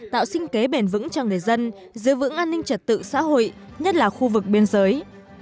tạo sinh kế bền vững cho người dân giữ vững an ninh trật tự xã hội nhất là khu vực biên giới